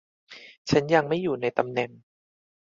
ฉันยังไม่อยู่ในตำแหน่ง